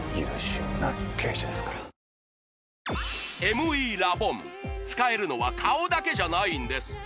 ＭＥラボン使えるのは顔だけじゃないんです